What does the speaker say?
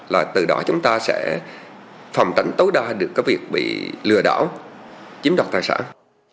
là từ đó chúng ta sẽ phòng tránh tối đa được cái việc bị lừa đảo chiếm đọc tài sản